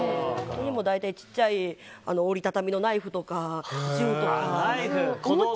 大体、ちっちゃい折り畳みのナイフとか銃とか。